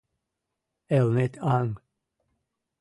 ЭЛНЕТ АҤ